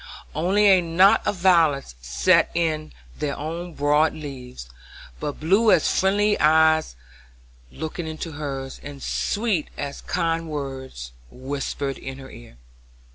Only a knot of violets set in their own broad leaves, but blue as friendly eyes looking into hers, and sweet as kind words whispered in her ear.